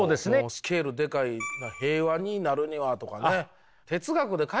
スケールでかい平和になるにはとかね。